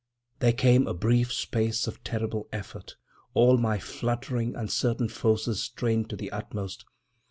There came a brief space of terrible effort, all my fluttering, uncertain forces strained to the utmost.